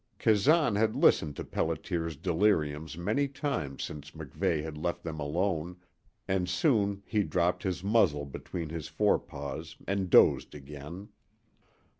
Kazan had listened to Pelliter's deliriums many times since MacVeigh had left them alone, and soon he dropped his muzzle between his forepaws and dozed again.